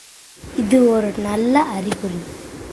இது ஒரு நல்ல அறிகுறி!